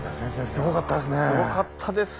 すごかったですねえ。